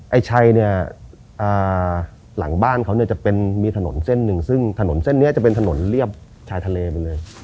ไอ้ชัยเนี่ยหลังบ้านเขาเนี่ยจะเป็นมีถนนเส้นหนึ่งซึ่งถนนเส้นนี้จะเป็นถนนเรียบชายทะเลไปเลย